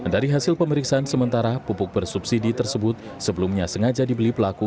dari hasil pemeriksaan sementara pupuk bersubsidi tersebut sebelumnya sengaja dibeli pelaku